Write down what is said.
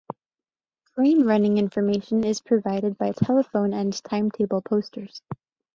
Train running information is provided by telephone and timetable posters.